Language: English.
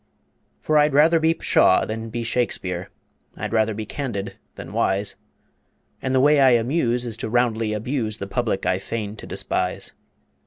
For I'd rather be Pshaw than be Shakespeare, I'd rather be Candid than Wise; And the way I amuse Is to roundly abuse The Public I feign to despise.